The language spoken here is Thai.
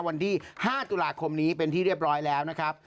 วันที่๕ตุลาคมนี้เป็นที่เรียบร้อยแล้วนะครับ